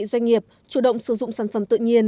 doanh nghiệp chủ động sử dụng sản phẩm tự nhiên